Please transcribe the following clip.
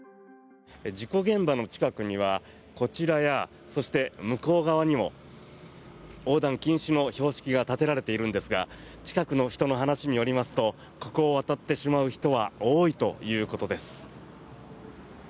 事故現場の近くにはこちらやそして、向こう側にも横断近視の標識が立てられているんですが近くの人の話によりますとここを渡ってしまう人は多いということです。